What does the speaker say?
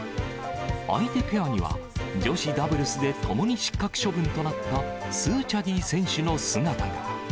相手ペアには、女子ダブルスでともに失格処分となった、スーチャディ選手の姿が。